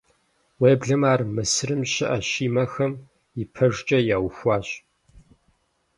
Уеблэмэ ар Мысырым щыӀэ Щимэхэм ипэжкӀэ яухуащ.